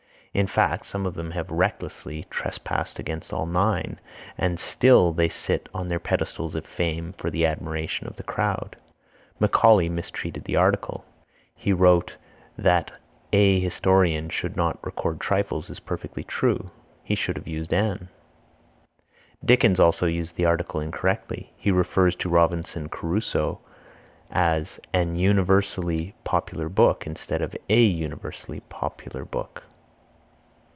In fact some of them have recklessly trespassed against all nine, and still they sit on their pedestals of fame for the admiration of the crowd. Macaulay mistreated the article. He wrote, "That a historian should not record trifles is perfectly true." He should have used an. Dickens also used the article incorrectly. He refers to "Robinson Crusoe" as "an universally popular book," instead of a universally popular book.